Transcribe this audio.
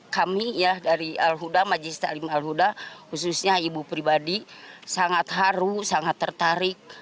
kami ya dari alhuda majlis talim alhuda khususnya ibu pribadi sangat haru sangat tertarik